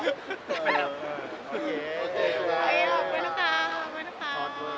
โอเคลองไปละกาลก่อนละกาล